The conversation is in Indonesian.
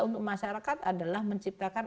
untuk masyarakat adalah menciptakan